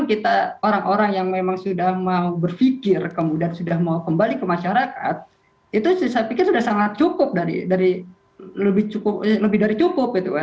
kemudian sudah mau kembali ke masyarakat itu saya pikir sudah sangat cukup lebih dari cukup